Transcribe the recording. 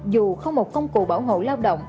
dù không một công cụ bảo hộ lao động